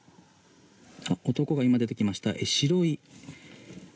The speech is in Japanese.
男が今、出てきました。